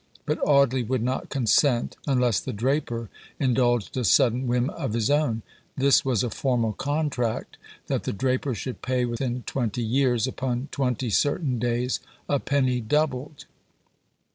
But Audley would not consent, unless the draper indulged a sudden whim of his own: this was a formal contract, that the draper should pay within twenty years, upon twenty certain days, a penny doubled.